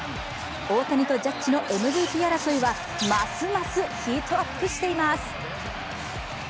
大谷とジャッジのМＶＰ争いはますますヒートアップしています。